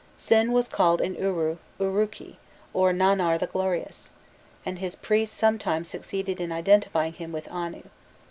Sin was called in Uru, "Uruki," or "Nannar the glorious," and his priests sometimes succeeded in identifying him with Anu.